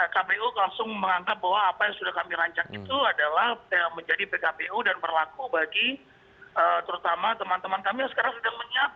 kpu langsung menganggap bahwa apa yang sudah kami rancang itu adalah menjadi pkpu dan berlaku bagi terutama teman teman kami yang sekarang sedang menyiapkan